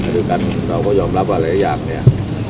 ด้วยกันเราก็ยอมรับว่าหลายอย่างเนี่ย